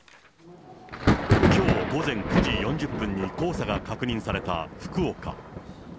きょう午前９時４０分に黄砂が確認された福岡。